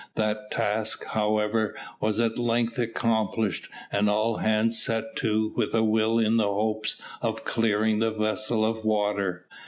That task, however, was at length accomplished, and all hands set to with a will in the hopes of clearing the vessel of water.